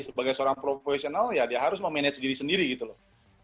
sebagai seorang profesional ya dia harus memanage diri sendiri gitu loh